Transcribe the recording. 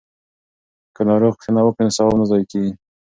که ناروغ پوښتنه وکړو نو ثواب نه ضایع کیږي.